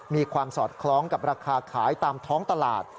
มีความสอดคล้องกับราคาขายตามท้องตลาด